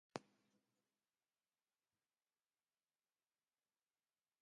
Later that year, Randy Wood left to found Ranwood Records with Lawrence Welk.